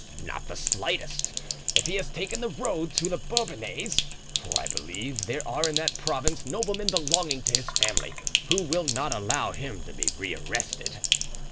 "Not the slightest, if he has taken the road to the Bourbonnais; for I believe there are in that province noblemen belonging to his family who will not allow him to be rearrested."